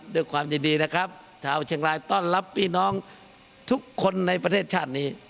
ด้วยความยินดีนะครับชาวเชียงรายต้อนรับพี่น้องทุกคนในประเทศชาตินี้